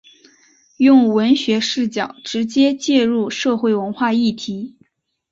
用文学视角直接介入社会文化议题。